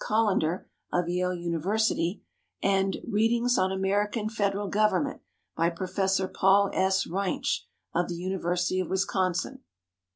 Collender, of Yale University; and "Readings on American Federal Government," by Professor Paul S. Reinsch, of the University of Wisconsin.